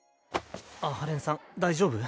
阿波連さん大丈夫？